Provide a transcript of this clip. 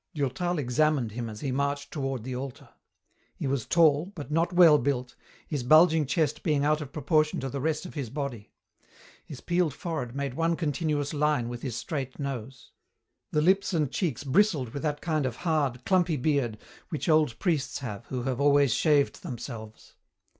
Durtal examined him as he marched toward the altar. He was tall, but not well built, his bulging chest being out of proportion to the rest of his body. His peeled forehead made one continuous line with his straight nose. The lips and cheeks bristled with that kind of hard, clumpy beard which old priests have who have always shaved themselves.